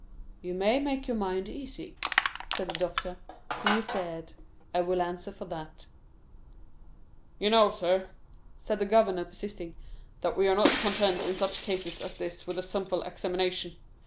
"You may make your mind easy," said the doctor; "he is dead. I will answer for that." "You know, sir," said the governor, persisting, "that we are not content in such cases as this with such a simple examination.